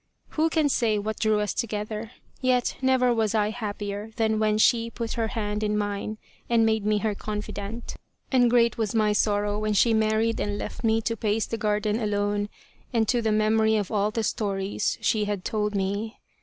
Who can say what drew us to gether ? Yet never was I happier than when she put her hand in mine and made me her confidante, 59 The Tragedy of Kesa Gozen and great was my sorrow when she married and left me to pace the garden alone and to the memory of all the stories she had told me.